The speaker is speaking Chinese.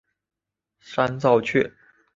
山噪鹛。